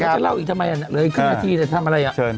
ก็จะเล่าอีกทำไมอ่ะเลยก็อาทีนั้นทำอะไรอ่ะเชิญ